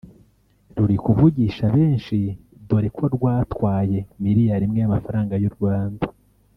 ruri kuvugisha benshi dore ko rwatwaye Miliyari imwe y’amafaranga y’u Rwanda